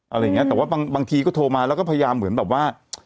อะไรอย่างเงี้แต่ว่าบางทีก็โทรมาแล้วก็พยายามเหมือนแบบว่า